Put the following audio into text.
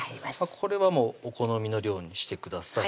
これはもうお好みの量にしてください